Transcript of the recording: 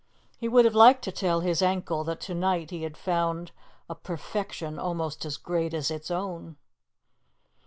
He would have liked to tell his ankle that to night he had found a perfection almost as great as its own.